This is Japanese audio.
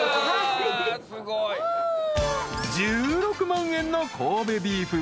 ［１６万円の神戸ビーフ。